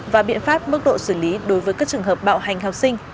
và biện pháp mức độ xử lý đối với các trường hợp bạo hành học sinh